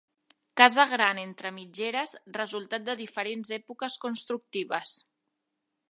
Casa gran entre mitgeres, resultat de diferents èpoques constructives.